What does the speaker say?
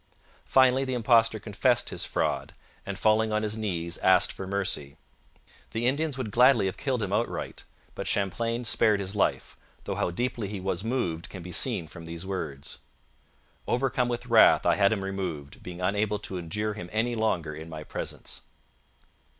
Finally, the impostor confessed his fraud and, falling on his knees, asked for mercy. The Indians would gladly have killed him outright, but Champlain spared his life, though how deeply he was moved can be seen from these words: 'Overcome with wrath I had him removed, being unable to endure him any longer in my presence.'